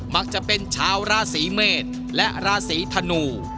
มักจะเป็นชาวราศีเมษและราศีธนู